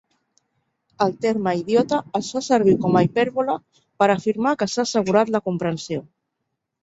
El terme "idiota"es fa servir com a hipèrbole per afirmar que s'ha assegurat la comprensió.